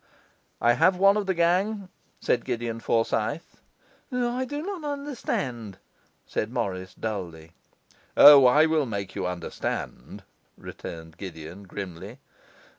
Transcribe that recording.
'I have one of the gang,' said Gideon Forsyth. 'I do not understand,' said Morris dully. 'O, I will make you understand,' returned Gideon grimly.